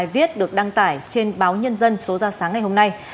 bài viết được đăng tải trên báo nhân dân số ra sáng ngày hôm nay